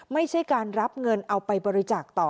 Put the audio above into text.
ไม่ใช่การรับเงินเอาไปบริจาคต่อ